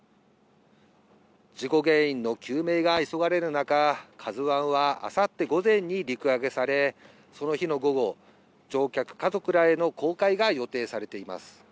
事故原因の究明が急がれる中、ＫＡＺＵＩはあさって午前に陸揚げされ、その日の午後、乗客家族らへの公開が予定されています。